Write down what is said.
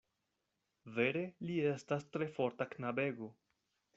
Vere li estas tre forta knabego.